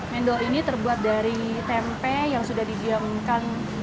mendol ini terbuat dari tempe yang sudah didiamkan